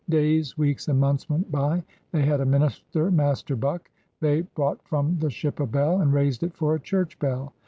Days, weeks, and months went by. They had a minister. Master Buck. They brought from the ship a bell and raised it for a church bell.